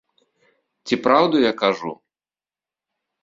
Ці праўду я кажу?